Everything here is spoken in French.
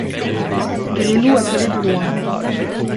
Gresloup appelait de loin.